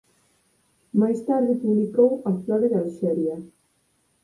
Máis tarde publicou a flora de Alxeria.